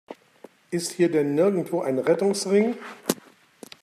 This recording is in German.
Ist hier denn nirgendwo ein Rettungsring?